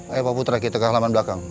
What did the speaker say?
ayo pak putra kita ke halaman belakang